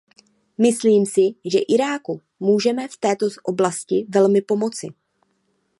Myslím si, že Iráku můžeme v této oblasti velmi pomoci.